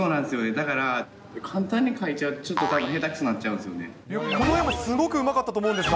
だから、簡単に描いちゃうと、ちょっとたぶん下手くそになっちゃうんですよね。